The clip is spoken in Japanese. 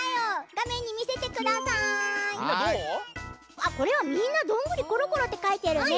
あっこれはみんな「どんぐりころころ」ってかいてるね。